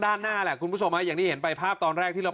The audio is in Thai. ด้านหน้าแหละคุณผู้ชมฮะอย่างที่เห็นไปภาพตอนแรกที่เรา